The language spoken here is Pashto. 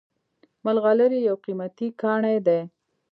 ملغلرې یو قیمتي کاڼی دی